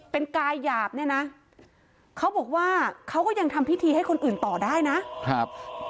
เป็นกายหยาบเนี่ยนะเขาบอกว่าเขาก็ยังทำพิธีให้คนอื่นต่อได้นะครับ